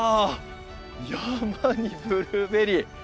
山にブルーベリー！